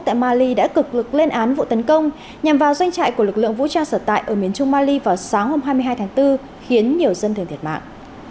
tại mali đã cực lực lên án vụ tấn công nhằm vào doanh trại của lực lượng vũ trang sở tại ở miền trung mali vào sáng hôm hai mươi hai tháng bốn khiến nhiều dân thường thiệt mạng